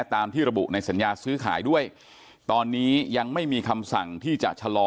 ตามที่ระบุในสัญญาซื้อขายด้วยตอนนี้ยังไม่มีคำสั่งที่จะชะลอ